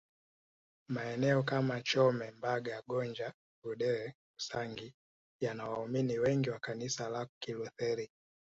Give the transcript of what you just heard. Maeneo kama Chome Mbaga Gonja Vudee Usangi yana waumini wengi wa Kanisa la Kilutheri